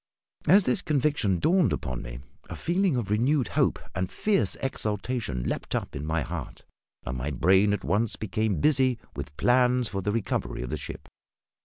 As this conviction dawned upon me a feeling of renewed hope and fierce exultation leapt up in my heart, and my brain at once became busy with plans for the recovery of the ship.